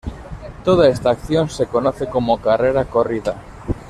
Toda esta acción se conoce como carrera corrida.